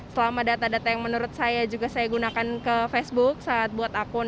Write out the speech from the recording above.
selama data data yang menurut saya juga saya gunakan ke facebook saat buat akun